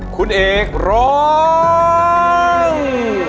คุณเอกร้อง